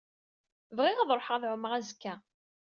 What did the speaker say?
Bɣiɣ ad ruḥeɣ ad ɛummeɣ azekka.